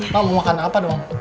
mak mau makan apa doang